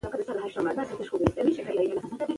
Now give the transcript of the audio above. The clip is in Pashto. ځان نه، بلکي ټولني ته داسي څه وکه، چي په راحت سي.